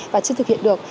và chưa thực hiện được